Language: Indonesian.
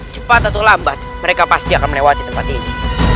cepat atau lambat mereka pasti akan melewati tempat ini